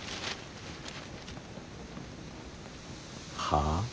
はあ？